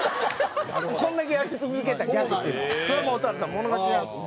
こんだけやり続けたギャグっていうのは蛍原さんものが違いますよ。